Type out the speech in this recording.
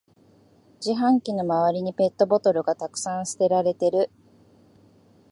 自販機の周りにペットボトルがたくさん捨てられてる